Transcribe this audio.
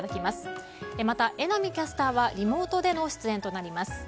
また、榎並キャスターはリモートでの出演となります。